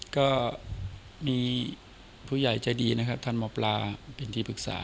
ก็มีผู้ใหญ่ใจดีนะครับท่านหมอปลาเป็นที่ปรึกษา